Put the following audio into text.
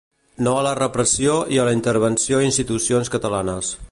No a la repressió i a la intervenció institucions catalanes.